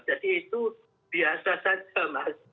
jadi itu biasa saja mas